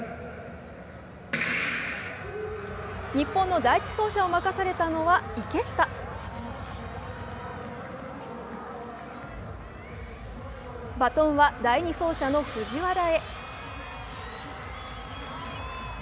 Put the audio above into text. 日本の第１走者を任されたのは池下バトンは第２走者の藤原へ。